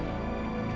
bukan kan bu